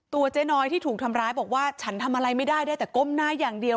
เจ๊น้อยที่ถูกทำร้ายบอกว่าฉันทำอะไรไม่ได้ได้แต่ก้มหน้าอย่างเดียว